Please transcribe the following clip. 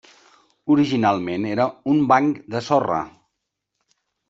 Originalment era un banc de sorra.